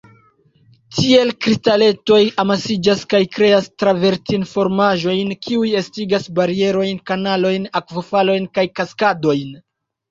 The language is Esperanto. Tiel kristaletoj amasiĝas kaj kreas travertin-formaĵojn, kiuj estigas barierojn, kanalojn, akvofalojn kaj kaskadojn.